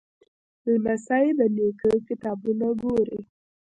لمسی د نیکه کتابونه ګوري.